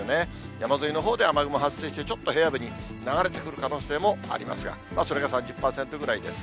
山沿いのほうで雨雲、発生してちょっと平野部に流れてくる可能性もありますが、それが３０％ぐらいです。